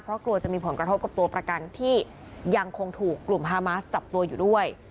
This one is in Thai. เพราะกลัวจะมีผลกระทบกับตัวประกันที่ยังคงถูกกลุ่มฮามาสจับตัวอยู่ด้วย